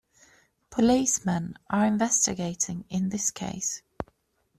Policemen are investigating in this case.